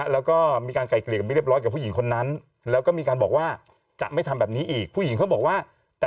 แล้วก็มีการไกลเกลี่ยกันไปเรียบร้อยกับผู้หญิงคนนั้นแล้วก็มีการบอกว่าจะไม่ทำแบบนี้อีกผู้หญิงเขาบอกว่า